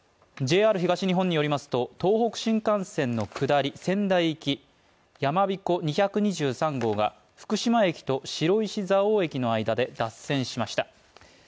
ＪＲ東日本によりますと、東北新幹線の下り線やまびこ２２３号が福島駅と白石蔵王駅の間で脱線しました。